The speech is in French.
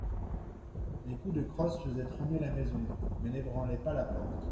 Les coups de crosse faisaient trembler la maison, mais n'ébranlaient pas la porte.